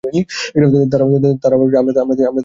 তারা ভাবছে আমরা দোষী, তাই আমরা দোষী।